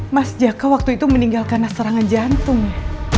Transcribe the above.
mas jaka waktu itu meninggal karena serangan jantung